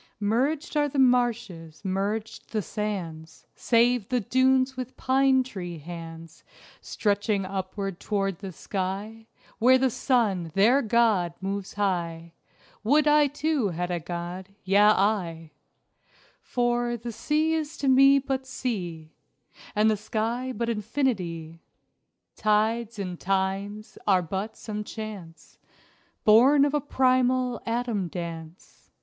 Merged are the marshes, merged the sands, Save the dunes with pine tree hands Stretching upward toward the sky, Where the sun, their god, moves high: Would I too had a god yea, I! For, the sea is to me but sea, And the sky but infinity. Tides and times are but some chance Born of a primal atom dance.